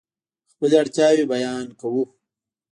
خپلې اړتیاوې بیان کوو.